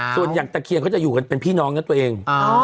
ส่วนอย่างตะเคียนเขาจะอยู่กันเป็นพี่น้องกันตัวเอง